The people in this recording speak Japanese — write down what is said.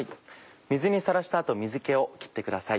水にさらした後水気を切ってください。